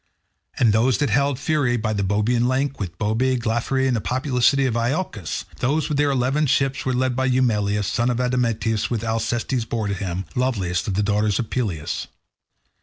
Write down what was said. And those that held Pherae by the Boebean lake, with Boebe, Glaphyrae, and the populous city of Iolcus, these with their eleven ships were led by Eumelus, son of Admetus, whom Alcestis bore to him, loveliest of the daughters of Pelias.